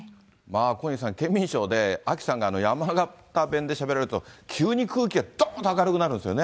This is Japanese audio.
小西さん、ケンミンＳＨＯＷであきさんが山形弁でしゃべられると、急に空気がどーんと明るくなるんですよね。